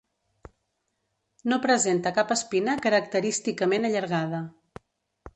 No presenta cap espina característicament allargada.